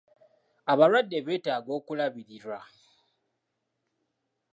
Abalwadde betaaga okulabirirwa.